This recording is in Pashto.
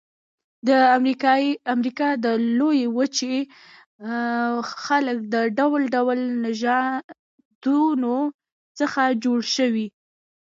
د امریکا د لویې وچې خلک د ډول ډول نژادونو څخه جوړ شوي.